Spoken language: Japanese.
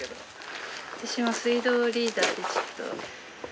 私も水道リーダーでちょっと。